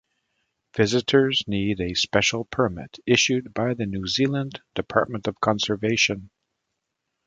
Visitors need a special permit issued by the New Zealand Department of Conservation.